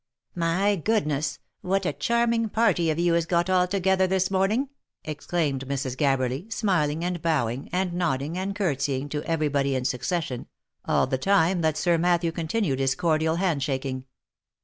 " My goodness ! what a charming party of you is got all together this morning," exclaimed Mrs. Gabberly, smiling and bowing, and nodding, and courtesying, to every body in succession, all the time OF MICHAEL ARMSTRONG. 69 ^that Sir Matthew continued his cordial hand shaking.